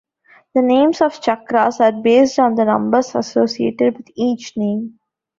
The names of "chakras" are based on the numbers associated with each name.